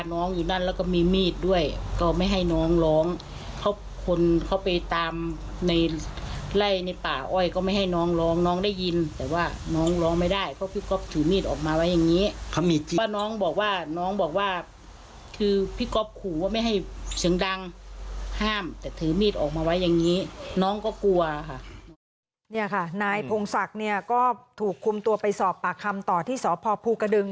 นี่ค่ะนายพงศักดิ์เนี่ยก็ถูกคุมตัวไปสอบปากคำต่อที่สพภูกระดึง